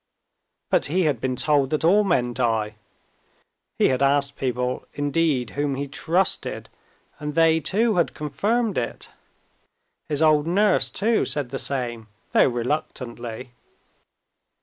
But he had been told that all men die; he had asked people, indeed, whom he trusted, and they too, had confirmed it; his old nurse, too, said the same, though reluctantly.